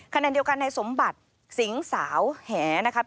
ขณะเดียวกันในสมบัติสิงห์สาวแหนะครับ